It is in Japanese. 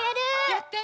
やって。